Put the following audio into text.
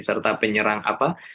serta penyerang apa